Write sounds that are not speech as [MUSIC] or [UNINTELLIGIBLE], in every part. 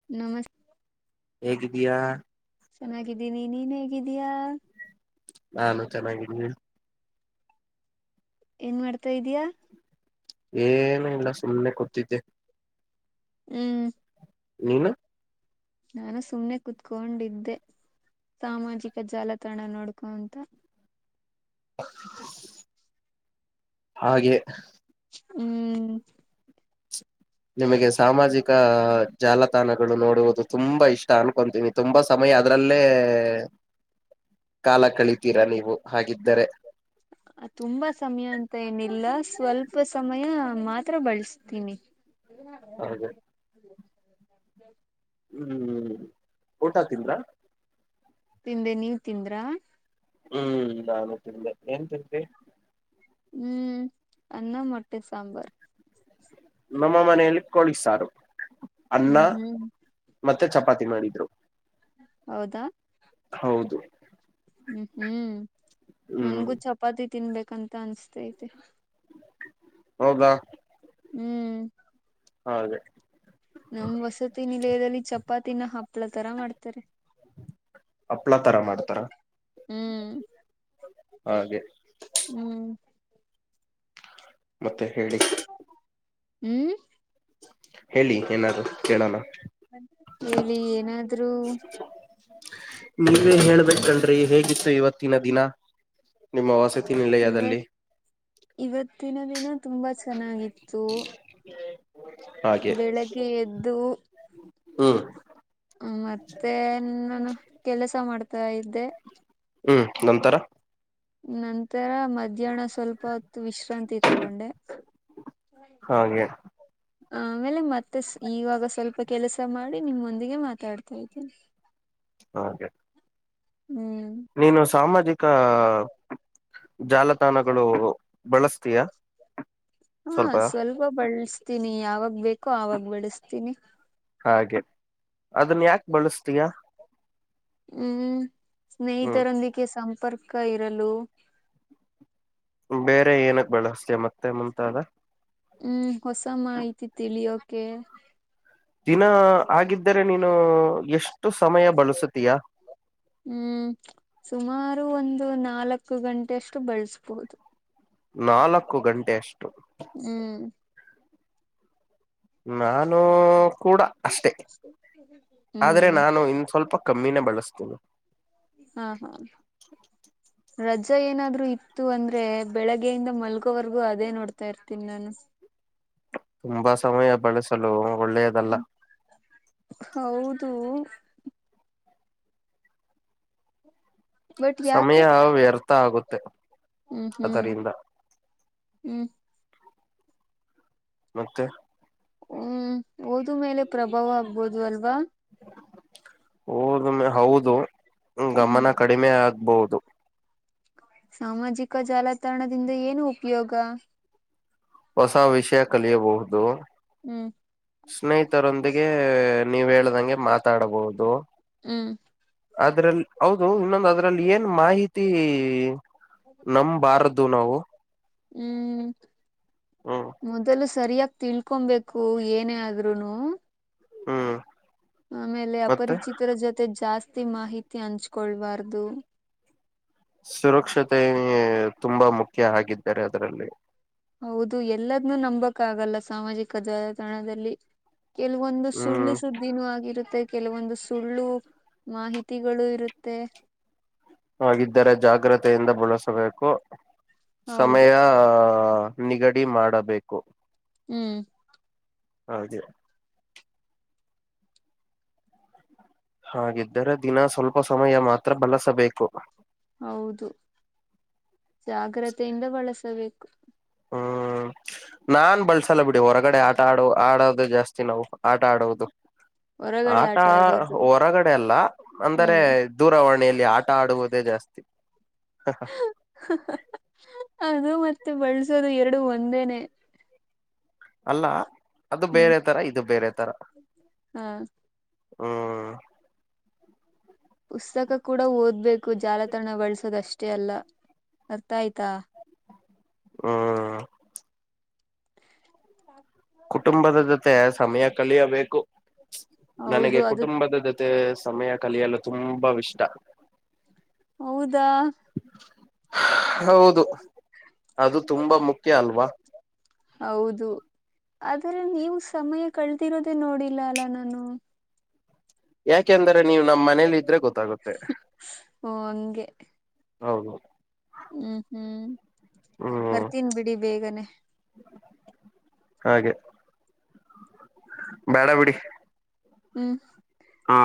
[UNINTELLIGIBLE] ಹೇಗಿದ್ದಿಯಾ. ಚೆನ್ನಾಗಿದ್ದೀವಿ ನೀನ್ ಹೇಗಿದ್ದೀಯಾ. ನಾನು ಚೆನ್ನಾಗಿದೀನಿ. ಏನ ಮಾಡ್ತಾ ಇದೀಯಾ. ಏನು ಇಲ್ಲ ಸುಮ್ನೆ ಕೂತ್ತಿದ್ದೆ. ಹ್ಮ್. [UNINTELLIGIBLE] ನಾನು ಸುಮ್ನೆ ಕುತ್ಕೊಂಡಿದ್ದೆ ಸಾಮಾಜಿಕ ಜಾಲತಾಣ ನೋಡ್ಕೊಂತ. ಹಾಗೆ. ಹ್ಮ್. ಹ್ಮ್. ನಿಮಗೆ ಸಾಮಾಜಿಕ ಜಾಲತಾಣಗಳು ನೋಡುವುದು ತುಂಬಾ ಇಷ್ಟ ಅನ್ಕೊ. ತುಂಬಾ ಸಮಯ ಅದ್ರಲ್ಲೇ. [INAUDIBLE] ಕಾಲಾ ಕಳಿತೀರಾ ನೀವು ಹಾಗಿದ್ದರೆ. ಅ ತುಂಬ ಸಮಯ ಅಂತ ಏನಿಲ್ಲ ಸ್ವಲ್ಪ ಸಮಯ ಮಾತ್ರ ಬಳಸ್ತೀನಿ. ಹೌದ. ಹ್ಮ್ ಊಟಾ ತಿಂದ್ರಾ ತಿಂದೆ ನೀವ್ ತಿಂದ್ರಾ ಹ್ಮ್ ನಾನು ತಿಂದೆ ಏನ್ ತಿಂದ್ರಿ. ಹ್ಮ್ ಅನ್ನ ಮೊಟ್ಟೆ ಸಾಂಬಾರ್. ನಮ್ಮ ಮನೆಯಲ್ಲಿ ಕೋಳಿ ಸಾರು ಅನ್ನ ಹ್ಮ್ ಹ್ಮ್ ಮತ್ತೆ ಚಪಾತಿ ಮಾಡಿದ್ರು. ಹೌದಾ ಹೌದು. ಹ್ಮ್ ಹ್ಮ್ಹೂ ಹ್ಮ್ ನನ್ಗೂ ಚಪಾತಿ ತಿನ್ಬೇಕಂತ ಅನ್ಸ್ತೈತೆ. ಹೌದಾ ಹ್ಮ್. ಹೌದ. ನಮ್ ವಸತಿ ನಿಲಯದಲ್ಲಿ ಚಪಾತಿನ ಹಪ್ಪಳ ತರ ಮಾಡ್ತಾರೆ ಹಪ್ಳಾ ತರ ಮಾಡ್ತಾರಾ ಹ್ಮ್ಮ್. [INAUDIBLE] ಹಾಗೆ ಹ್ಮ್. ಮತ್ತೆ ಹೇಳಿ. ಹ್ಮ ಹೇಳಿ [UNINTELLIGIBLE] ಏನಾದ್ರು ಕೇಳೋಣ ಹೇಳಿ ಏನಾದ್ರೂ ನೀವೆ ಹೇಳ್ಬೆಕಣ್ರೀ ಹೇಗಿತ್ತು ಇವತ್ತಿನ ದಿನ. ನಿಮ್ಮ ವಸತಿ ನಿಲಯದಲ್ಲಿ. ಇವತ್ ಇವತ್ತಿನ ದಿನ ತುಂಬಾ ಚೆನ್ನಾಗಿತ್ತೂ ಹಾಗೆ ಬೆಳಗ್ಗೆ ಎದ್ದೂ ಹ್ಮ್ ಮತ್ತೆ ನಾನು ಕೆಲಸ ಮಾಡ್ತಾ ಇದ್ದೆ ಹ್ಮ್ ನಂತರ ನಂತರ ಮಧ್ಯಾಹ್ನ ಸ್ವಲ್ಪ ಹೊತ್ತು ವಿಶ್ರಾಂತಿ ತಗೊಂಡೆ ಹಾಗೆ. [INAUDIBLE] ಆಮೇಲೆ ಮತ್ತೆ ಸ್ ಈವಾಗ ಸ್ವಲ್ಪ ಕೆಲಸ ಮಾಡಿ ನಿಮ್ಮೊಂದಿಗೆ ಮಾತಾಡ್ತಾ ಇದ್ದೇನಿ. ಹಾಗೆ. ಹ್ಮ್ ನೀನು ಸಾಮಾಜಿಕ [INAUDIBLE] ಜಾಲ ಥಾನಗಳು ಬಳಸ್ತಿಯಾ [INAUDIBLE] ಸ್ವಲ್ಪ ಹು ಬಳಸ್ತೀನಿ ಯಾವಾಗ ಬೇಕೋ ಆವಾಗ ಬಳಸ್ತೀನಿ. ಹಾಗೆ ಅದನ್ನ ಯಾಕ್ ಬಳಸ್ತೀಯಾ ಹ್ಮ್ ಹ್ಮ್ ಸ್ನೇಹಿತರೊಂದಿಗೆ ಸಂಪರ್ಕ ಇರಲು ಬೇರೆ ಏನಕ್ ಬಳಸ್ತಿಯಾ ಮತ್ತೆ ಮುಂತಾದ ಹ್ಮ್ ಹೊಸ ಮಾಹಿತಿ ತಿಳಿಯೋಕೆ ದಿನ ಆಗಿದ್ದರೆ ನೀನು ಎಷ್ಟು ಸಮಯ ಬಳಸುತೀಯಾ ಹ್ಮ್ ಸುಮಾರು ಒಂದು ನಾಲ್ಕು ಗಂಟೆ ಅಷ್ಟು ಬಳಸಬಹುದು. ನಾಲ್ಕು ಗಂಟೆ ಅಷ್ಟು. ಹ್ಮ್. ನಾನು ಕೂಡ ಅಷ್ಟೇ [INAUDIBLE] ಆದ್ರೆ ಹ್ಮ್ ನಾನು ಇನ್ ಸ್ವಲ್ಪ ಕಮ್ಮಿನೇ ಬಳಸ್ತೀನಿ. [INAUDIBLE] ಹಾ ಹಾ. [INAUDIBLE] ರಜೆ ಏನಾದ್ರು ಇತ್ತು ಅಂದ್ರೆ ಬೆಳಗ್ಗೆಯಿಂದ ಮಲ್ಗೋವರೆಗೂ ಅದೇ ನೋಡ್ತಾ ಇರ್ತೀನಿ ನಾನು. [INAUDIBLE] [INAUDIBLE] ತುಂಬಾ ಸಮಯ ಬಳಸಲು ಒಳ್ಳೆಯದಲ್ಲ. [INAUDIBLE] ಹೌದು. [INAUDIBLE] ಬಟ್ ಯಾಕೆ ಸಮಯಾ ಹಾ ವ್ಯರ್ಥ ಆಗುತ್ತೆ. [INAUDIBLE] ಹ್ಮ್ ಹ್ಮ್ ಅದರಿಂದ [INAUDIBLE] ಹ್ಮ್. ಮತ್ತೆ. [INAUDIBLE] ಹ್ಮ್ ಓದು ಮೇಲೆ ಪ್ರಭಾವ ಆಗಬೋದು [INAUDIBLE] ಅಲ್ವಾ. [INAUDIBLE] ಓದುನು ಹೌದು ಹು ಹ್ಮ್ ಗಮನ ಕಡಿಮೆ ಆಗಬಹುದು. ಸಾಮಾಜಿಕ ಜಾಲತಾಣದಿಂದ ಏನು [INAUDIBLE] ಉಪಯೋಗ. [INAUDIBLE] ಹೊಸ ವಿಷಯ ಕಲಿಯ ಬಹುದು. ಹ್ಮ್. ಸ್ನೇಹಿತರೊಂದಿಗೆ ನೀವ ಹೇಳ್ ದಂಗೆ [INAUDIBLE] ಮಾತಾಡಬಹುದು. ಹ್ಮ್. [UNINTELLIGIBLE] [INAUDIBLE] ಅದರಲ್ಲಿ ಹೌದು ಇನ್ನೊಂದು ಅದರಲ್ಲಿ ಏನ್ ಮಾಹಿತಿ ನಮ್ ಬಾರದ್ದು ನಾವು. ಹ್ಮ್ ಹ್ಮ್ ಮೊದಲು ಸ ಸರಿಯಾಗಿ ತಿಳೋಕೋನ್ ಬೇಕು [INAUDIBLE] ಏನೇ ಆದರೂನು. ಹ್ಮ್. [INAUDIBLE] ಆಮೇಲೆ ಮತ್ತೆ ಅಪರಿಚಿತರ ಜೊತೆ ಜಾಸ್ತಿ ಮಾಹಿತಿ ಹಂಚಿಕೋಳ ಬಾರದು. [INAUDIBLE] ಸುರಕ್ಷತೆ ತುಂಬಾ ಮುಖ್ಯ ಆಗಿದ್ದಾರೆ ಅದರಲ್ಲಿ. [INAUDIBLE] ಹೌದು ಎಲ್ಲಾದನ್ನು ನಂಬಕ್ಕ ಆಗಲ್ಲ ಸಾಮಾಜಿಕ ಜಾಲತಾಣದಲ್ಲಿ. [INAUDIBLE] ಕೆಲವೊಂದು ಸುಳ್ಳು ಹ್ಮ್ ಸುದ್ದ ನಿನ್ನುವ ಆಗಿರುತ್ತೆ [INAUDIBLE] ಕೆಲವೊಂದು ಸುಳ್ಳು ಮಾಹಿತಿಗಳು ಇರುತ್ತೆ. ಹಾಗಿದ್ದರೆ ಜಾಗ್ರತೆಯಿಂದ ಬಳಸಬೇಕು ಹೌದು ಸಮಯಾ [INAUDIBLE] ನಿಗಡಿ ಮಾಡಬೇಕು. [INAUDIBLE] ಹ್ಮ್. [UNINTELLIGIBLE] ಹಾಗೆ. [UNINTELLIGIBLE] ಹಾಗಿದ್ದರೆ ದಿನಾ ಸ್ವಲ್ಪ ಸಮಯ ಮಾತ್ರ ಬಳಸಬೇಕು. [INAUDIBLE] ಹೌದು [INAUDIBLE] ಜಾಗ್ರತೆಯಿಂದ ಬಳಸಬೇಕು. ಹ್ಮ್ ನಾನ್ ಬಳಸಲ್ಲ ಬಿಡಿ ಹೊರಗಡೆ ಆ [INAUDIBLE] ಆಡು ಆಡೋದು ಜಾಸ್ತಿ ನಾವು ಆಟ [INAUDIBLE] ಆಡೋದು. [INAUDIBLE] ಹೊರಗಡೆ ಆಟಾ ಆಟ ಆಡೋದು ಹೊರಗಡೆ ಅಲ್ಲಾ ಅಂದರೆ. ಹ್ಮ್ ದೂರವಾಣಿಯಲ್ಲಿ ಆಟ ಆಡುವುದೇ ಜಾಸ್ತಿ. [INAUDIBLE] [INAUDIBLE] ಅದು ಮತ್ತೆ ಬಳಸೋರೆ ಎರಡು ಒಂದೇನೆ. ಅಲ್ಲಾ ಅದು ಹ್ಮ್ ಬೇರೆ ತರ ಇದು ಬೇರೆ ತರ ಹಾ ಹ್ಮ್. ಪುಸ್ತಕ ಕೂಡ ಓದಬೇಕು ಜಾಲತಾಣ ಬಳಸೋದ ಅಷ್ಟೇ ಅಲ್ಲ ಅರ್ಥ ಆಯ್ತಾ. ಹೂ ಹ. ಕುಟುಂಬದ ಜೊತೆ ಸಮಯ ಕಲಿಯಬೇಕು [INAUDIBLE] ಹೌದು ನನಗೆ ಅದು ಕುಟುಂಬದ ಜೊತೆ ಮತ್ತೆ ಸಮಯ ಕಲಿಯಲು ತುಂಬಾ ವಿಷ್ಟಾ. [INAUDIBLE] ಹೌದಾ. [INAUDIBLE] [INAUDIBLE] ಹೌದು ಅದು ತುಂಬಾ ಮುಖ್ಯ ಅಲ್ವಾ. ಹೌದು ಆದರೆ ನೀವು ಸಮಯ ಕಳದಿರೋದೆೇ ನೋಡಿಲ್ಲ ಅಲ್ಲ ನಾನು. [INAUDIBLE] ಯಾಕೆಂದ್ರ ನೀವು ನಮ್ಮ್ ಮನೇಲಿ ಇದ್ರೆ ಗೊತ್ತಾಗುತ್ತೆ. ಓ ಹಂಗೆ ಹೌದು ಹ್ಮ್ ಹ್ಮ್ ಹ್ಮ್ ಬರ್ತೀನ್ ಬಿಡಿ ಬೇಗನೆ. ಹಾಗೆ ಬೇಡ ಬಿಡಿ. ಹ್ಮ್ ಹಾ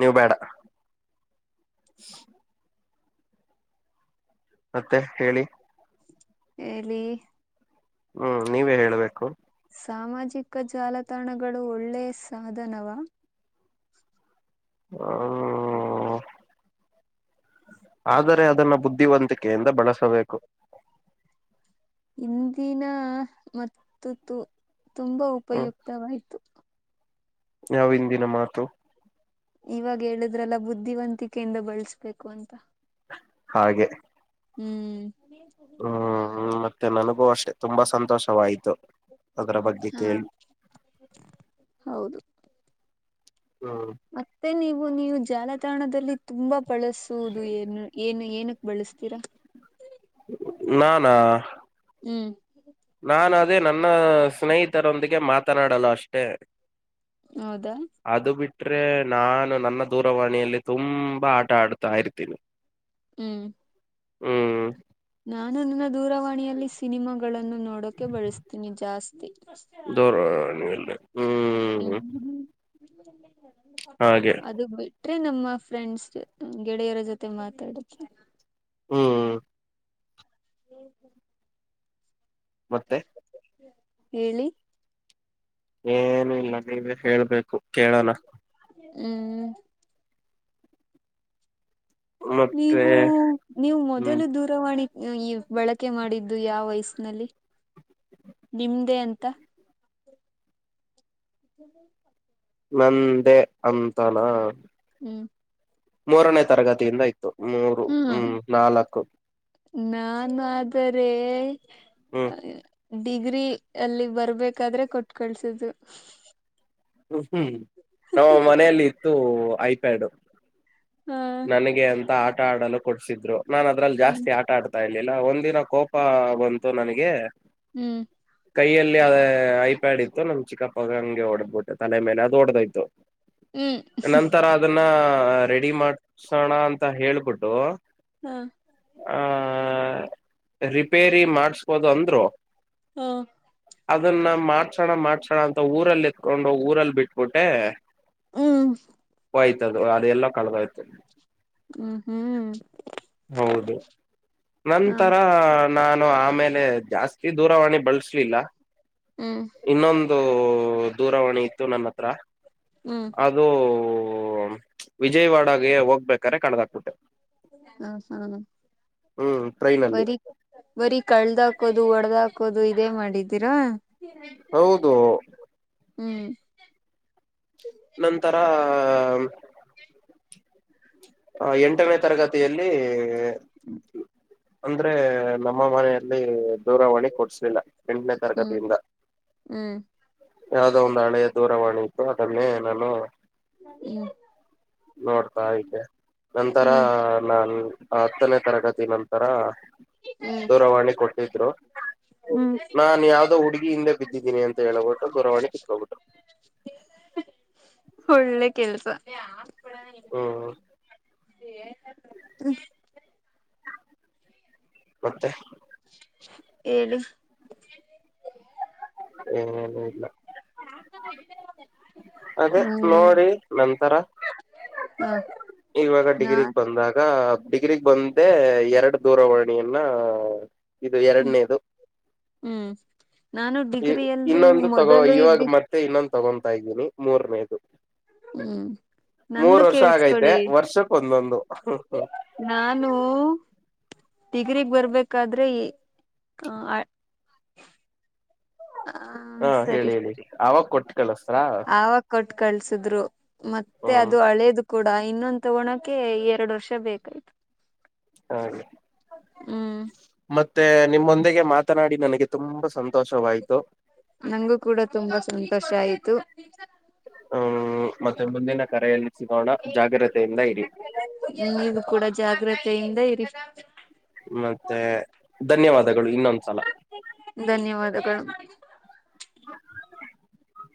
ನೀವು ಬೇಡ, ಮತ್ತೆ ಹೇಳಿ. ಎಳಿ ಹ್ಮ್ ನೀವೇ ಹೇಬೇಕು. ಸಾಮಾಜಿಕ ಜಾಲತಾಣಗಳು ಓಳ್ಳೆ ಸಾಧನವ. ಹಾ..... ಆದರೆ ಅದನ್ನ ಬುದ್ಧಿವಂತಿಕೆಯಿಂದ ಬಳಸಬೇಕು. ಇಂದಿನ ಮತ್ತು ತುಂಬಾ ಹ್ಮ್ ಉಪಯುಕ್ತವಾಯಿತು. ಯಾವ ಹಿಂದಿನ ಮಾತು. ಇವಾಗ ಹೇಳಿದ್ರಲ್ಲ ಬುದ್ಧಿವಂತಿಕೆಯಿಂದ ಬಳಸ್ಬೇಕು ಅಂತ. ಹಾಗೆ ಹ್ಮ್ ಹ್ಮ್ ಮತ್ತೆ ನನಗೂ ಅಷ್ಟೆ ತುಂಬಾ ಸಂತೋಷವಾಯ್ತು ಅದರ ಬಗ್ಗೆ ಹಾ ಕೇಳಿ. ಹೌದು ಹ್ಮ ಮತ್ತೆ ನೀವು ನೀವು ಜಾಲತಾಣದಲ್ಲಿ, ತುಂಬಾ ಬಳಸುವುದು ಏನು ಏನು ಏನಕ್ ಬಳಸ್ತೀರಾ. ನಾನಾ... ಹ್ಮ್ ನಾನು ಅದೇ ನನ್ನ ಸ್ನೇಹಿತರೊಂದಿಗೆ ಮಾತನಾಡಲು ಅಷ್ಟೆ. ಹೌದಾ ಅದು ಬಿಟ್ರೆ ನಾನು ನನ್ನ ದೂರವಾಣಿಯಲ್ಲಿ ತುಂಬಾ ಆಟ ಆಡ್ತಾ ಇರ್ತೀನಿ. ಹ್ಮ್ ಹ್ಮ್... ನಾನು ನನ್ನ ದೂರವಾಣಿಯಲ್ಲಿ, ಸಿನಿಮಾಗಳನ್ನು ನೋಡೋಕೆ ಬಳಸ್ತೀನಿ ಜಾಸ್ತಿ. ದೂರವಾಣಿಯಲ್ಲಿ ಹ್ಮ್ ಹಾಗೆ [INAUDIBLE] ಅದು ಬಿಟ್ರೆ ನಮ್ಮ ಫ್ರೆಂಡ್ಸ್ ಗೆಳೆಯರ ಜೊತೆ ಮಾತಾಡಕ್ಕೆ. ಹ್ಮ್ [INAUDIBLE] ಮತ್ತೆ. ಹೇಳಿ ಏನು ಇಲ್ಲ ನೀವೇ ಹೇಳ್ಬೇಕು ಕೇಳೋಣ. ಹ್ಮ್ ಮತ್ತೆ ನೀವು ನೀವು ಹ್ಮ್ ಮೊದಲು, [UNINTELLIGIBLE] ದೂರವಾಣಿ ಈ ಬಳಕೆ ಮಾಡಿದ್ದು ಯಾವ ವಯಸ್ನಲ್ಲಿ ನಿಮ್ದೇ ಅಂತ. [INAUDIBLE] ನಂದೇ ಅಂತಾನ ಹ್ಮ್ ಮೂರನೇ ತರಗತಿಯಿಂದ ಇತ್ತು. ಮೂರು ಹ್ಮ್ ನಾಲ್ಕು. ನಾನು ಆದರೆ, ಹ್ಮ್ ಡಿಗ್ರಿ ಅಲ್ಲಿ ಬರ್ಬೇಕಾದ್ರೆ ಕೊಟ್ ಕಳ್ಸಿದ್ದು. ಹ್ಮ ಹ್ಮ್ ನಮ್ಮ ಮನೆಯಲ್ಲಿ ಇತ್ತು ಐಪ್ಯಾಡು ಹಾ ನನಗೆ ಅಂತ ಆಟ ಆಡಲು ಕೊಡ್ಸಿದ್ರು ನಾನ್ ಅದ್ರಲ್ಲಿ ಹ್ಮ್ ಜಾಸ್ತಿ ಆಟ ಆಡ್ತ ನಾ ಇಲಿಲ್ಲ ಒಂದ ದಿನ ಕೋಪ ಬಂತು ನನಗೆ ಹ್ಮ್ ಕೈಯಲ್ಲಿ ಅದ ಐಪ್ಯಾಡ್ ಇತ್ತು ನಮ್ ಚಿಕ್ಕಪ್ಪಗಂಗೆ ಹೊಡ್ದಬು ತಲೆ ಮೇಲೆ ಅದು ಓಡದೋಯ್ತು ಹ್ಮ್ ನಂತರ ಅದನ್ನ ರೆಡಿ ಮಾಡ್ಸಣ ಅಂತ ಹೇಳಬಿಟ್ಟು ಹಾ ಆ ರಿಪೇರಿ ಮಾಡ್ಸ್ಬೋದು ಅಂದ್ರು ಹಾ ಅದನ್ನ ಮಾಡ್ಸಣ ಮಾಡ್ಸಣ ಅಂತ ಊರಲ್ಲಿ ಎತ್ಕೊಂಡ ಹೋಗ್ ಊರಲ್ಲ ಬಿಟ್ಬಿಟ್ಟೆ ಹ್ಮ್ ಹೋಯ್ತದು ಅದೆಲ್ಲೊ ಕಳದ ಒಯ್ತು ಹ್ಮ್ ಹ್ಮ್ ಹೌದು ಹಾ ನಂತರ ನಾನು ಆಮೇಲೆ ಜಾಸ್ತಿ ದೂರವಾಣಿ ಬಳಸಲಿಲ್ಲ. ಹ್ಮ್ ಇನ್ನೊಂದು ದೂರವಾಣಿ ಇತ್ತು ನನ್ನ ಹತ್ರ ಅದ್ ಹ್ಮ್ ಅದು ವಿಜಯವಾಡಾಗೆ ಹೋಗ್ಬೇಕಾದ್ರೆ ಕಳದ ಹಾಕ್ಬಿಟ್ಟೆ. ಹ ಹಾ ಹ್ಮ್ ಟ್ರೈನ್ ಅಲ್ಲಿ ಬರಿ ಬರೀ ಕಳ್ದ ಹಾಕೋದು ಒಡದ್ ಹಾಕೋದು ಇದೇ ಮಾಡಿದ್ದೀರಾ. ಹೌದು ಹ್ಮ್ ನಂತರಾ ಅ ಎಂಟನೇ ತರಗತ್ ತಿಯಲ್ಲಿ ಹ್ಮ್ ಅಂದ್ರೆ ನಮ್ಮ ಮನೆಯಲ್ಲಿ ದೂರವಾಣಿ ಕೊಡ್ಸ್ಲಿಲ್ಲ. ಎಂಟನೇ ಹ್ಮ್ ತರಗತಿಯಿಂದ ಹ್ಮ್ ಯಾವದೋ ಒಂದು ಹಳೆ ದೂರವಾಣಿ ಅದನ್ನೆ ನಾನು ಹ್ಮ ನೋಡ್ತಾ ಇದ್ದೆ ನಂತರ ಹ್ಮ್ ನಾನ್ ಹತ್ತನೇ ತರಗತಿ ನಂತರ ದೂರವಾಣಿ ಕೊಟ್ಟಿದ್ರು. ಹ್ಮ್ ನಾನ್ ಯಾವ್ದೋ ಹುಡುಗಿ ಹಿಂದೆ ಬಿದ್ದಿದಿನಿ ಅಂತ ಹೇಳ್ಬಿಟ್ಟು ದೂರವಾಣಿ ಕಿತ್ಕೊಂಬಿಟ್ಟರು. ಒಳ್ಳೆ ಕೆಲಸ ಹ್ಮ ಮತ್ತೆ ಏಳಿ ಏನು ಇಲ್ಲಾ ಅದೇ ಹ್ಮ್ ನೋಡಿ ನಂತರ ಹ ಇವಾಗಾ ನಾ ಡಿಗ್ರಿಗ್ ಬಂದಾಗ ಡಿಗ್ರಿಗ್ ಬಂದೆ ಎರಡ ದೂರವಾಣಿಯನ್ನ ಇದು ಎರಡನೇದು ಹ್ಮ್ ನಾನು ಇ ಡಿಗ್ರಿಯಲ್ಲಿ ಇನ್ನೊಂದ ತಗೋ ಮೊದಲು ಇವಾಗ ಇದ್ದಿ ಮತ್ತೆ ಇನ್ನೊಂದ ತಗೊಂತಾ ಇದ್ದೀನಿ ಮೂರನೇದು ಹ್ಮ್ ನಂದು ಮೂರ್ ವರ್ಷ ಆಗೈತೆ ಕೇಳ್ಸ್ಕೊಳ್ಳಿ ವರ್ಷಕ್ಕ ಒಂದೊಂದು ನಾನು ಡಿಗ್ರಿಗ್ ಬರ್ಬೇಕಾದ್ರೆ ಇ ಆ ಹಾ ಸರಿ ಹೇಳಿ ಹೇಳಿ ಸರಿ ಅವಾಗ ಕೊಟ್ ಕಳಸದ್ರಾ ಆವಾಗ ಕೊಟ್ ಕಳ್ಸಿದ್ರು ಮತ್ತೆ ಹ್ಮ್ ಅದು ಹಳೇದು ಕೂಡ ಇನ್ನೊಂದು ತಗೋಳಕೆ ಎರಡು ವರ್ಷ ಬೇಕಾಯ್ತು. ಹಾ ಹ್ಮ್ ಮತ್ತೆ ನಿಮ್ಮೊಂದಿಗೆ ಮಾತನಾಡಿ ನನಗೆ ತುಂಬಾ ಸಂತೋಷವಾಯ್ತು. ನಂಗೂ ಕೂಡ ತುಂಬಾ ಸಂತೋಷ ಆಯ್ತು. ಹ್ಮ್ ಮತ್ತೆ ಮುಂದಿನ ಕರೆಯಲ್ಲಿ ಸಿಗೋಣ ಜಾಗ್ರತೆಯಿಂದ ಇರಿ. ನೀವು ಕೂಡ ಜಾಗ್ರತೆಯಿಂದ ಇರಿ. ಮತ್ತೆ ಧನ್ಯವಾದಗಳು ಇನ್ನೊಂದ್ಸಲ. ಧನ್ಯವಾದಗಳು. [UNINTELLIGIBLE]